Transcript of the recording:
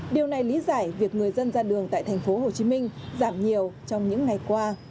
điều này lý giải việc người dân ra đường tại tp hcm giảm nhiều trong những ngày qua